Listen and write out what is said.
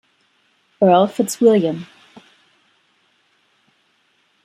Earl Fitzwilliam.